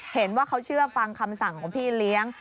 เห็นว่าเขาเชื่อฟังคำสั่งของพี่เลี้ยง